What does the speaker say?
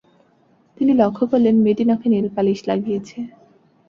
তিনি লক্ষ করলেন, মেয়েটি নখে নেলপালিশ লাগিয়েছে।